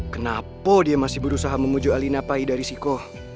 kenapa dia masih berusaha memujuk alina pai dari siko